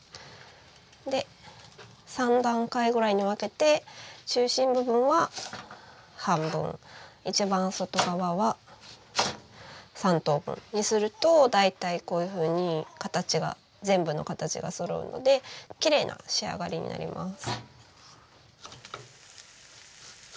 で３段階ぐらいに分けて中心部分は半分一番外側は３等分にすると大体こういうふうに形が全部の形がそろうのできれいな仕上がりになります。